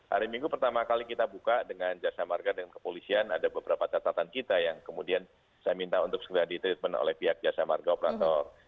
hari minggu pertama kali kita buka dengan jasa marga dengan kepolisian ada beberapa catatan kita yang kemudian saya minta untuk segera di treatment oleh pihak jasa marga operator